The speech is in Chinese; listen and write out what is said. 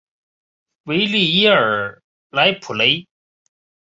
维利耶尔莱普雷。